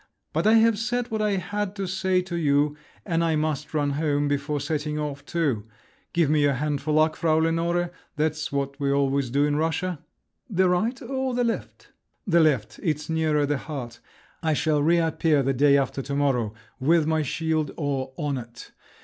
But I have said what I had to say to you, and I must run home before setting off too…. Give me your hand for luck, Frau Lenore—that's what we always do in Russia." "The right or the left?" "The left, it's nearer the heart. I shall reappear the day after to morrow with my shield or on it!